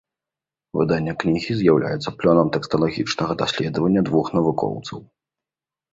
Выданне кнігі з'яўляецца плёнам тэксталагічнага даследавання двух навукоўцаў.